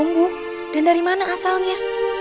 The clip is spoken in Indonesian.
untuk mendapatkan itu